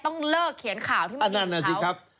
ต้องเลิกเขียนข่าวที่มายิงเขา